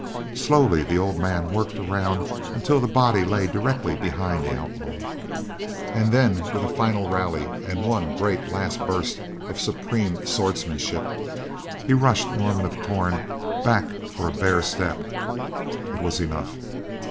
Slowly the old man worked around until the body lay directly behind the outlaw, and then with a final rally and one great last burst of supreme swordsmanship, he rushed Norman of Torn back for a bare step—it was enough.